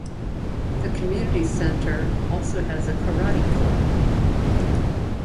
The community centre also has a karate club.